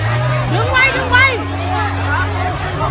ก็ไม่มีเวลาให้กลับมาเท่าไหร่